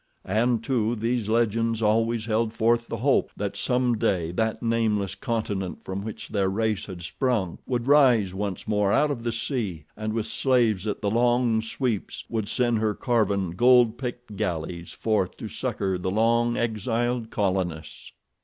And, too, these legends always held forth the hope that some day that nameless continent from which their race had sprung, would rise once more out of the sea and with slaves at the long sweeps would send her carven, gold picked galleys forth to succor the long exiled colonists.